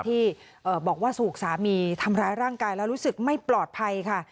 ที่บอกว่าถูกสามีทำร้ายร่างกายแล้วรู้สึกไม่ปลอดภัยค่ะ